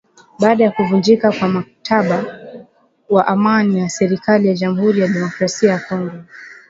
baada ya kuvunjika kwa mkataba wa amani na serikali ya Jamuhuri ya Demokrasia ya Kongo